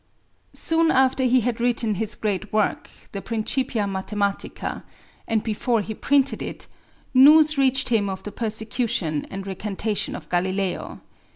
Soon after he had written his great work, the Principia Mathematica, and before he printed it, news reached him of the persecution and recantation of Galileo.